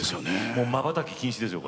もうまばたき禁止ですよ。